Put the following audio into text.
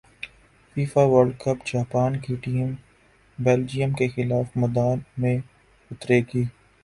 FIFA world cup Japan کی team Belgium کیخلاف میدان میں اترے گی